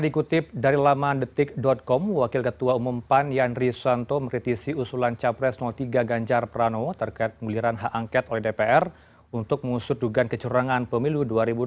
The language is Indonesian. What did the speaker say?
ketua umum pan yandri suwanto meretisi usulan capres tiga ganjar prano terkait penguliran hak angket oleh dpr untuk mengusur dugaan kecurangan pemilu dua ribu empat